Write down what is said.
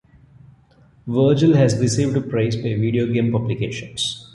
Vergil has received praise by video game publications.